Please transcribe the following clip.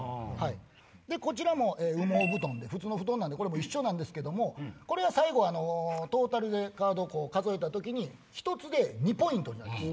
こちらも羽毛布団で普通の布団なんで一緒ですけどこれは最後トータルでカードを数えた時に１つで２ポイントになります。